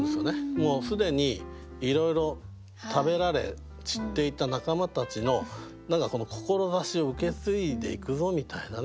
もう既にいろいろ食べられ散っていった仲間たちの何か志を受け継いでいくぞみたいなね。